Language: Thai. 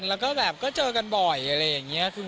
แล้วก็แบบก็เจอกันบ่อยอะไรอย่างนี้